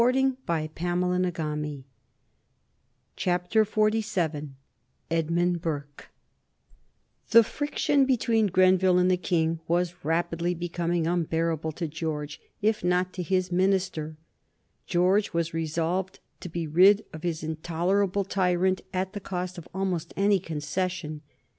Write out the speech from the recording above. EDMUND BURKE. [Sidenote: 1730 82 Rockingham and his Ministry] The friction between Grenville and the King was rapidly becoming unbearable to George, if not to his minister. George was resolved to be rid of his intolerable tyrant at the cost of almost any concession.